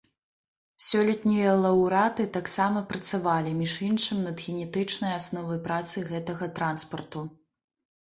Сёлетнія лаўрэаты таксама працавалі, між іншым, над генетычнай асновай працы гэтага транспарту.